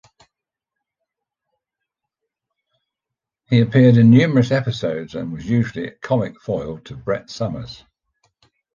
He appeared in numerous episodes and was usually comic foil to Brett Somers.